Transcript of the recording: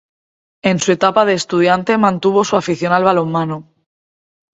En su etapa de estudiante mantuvo su afición al balonmano.